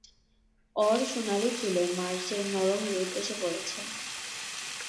ওর সোনালি চুলে মার্চের নরম রোদ এসে পড়েছে।